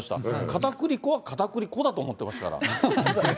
かたくり粉はかたくり粉だと思っていましたから。